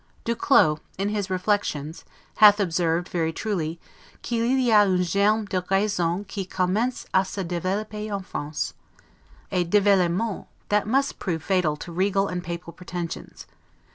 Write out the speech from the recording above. Du Clos, in his "Reflections," hath observed, and very truly, 'qu'il y a un germe de raison qui commence a se developper en France'; a developpement that must prove fatal to Regal and Papal pretensions.